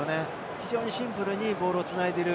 非常にシンプルにボールを繋いでいる。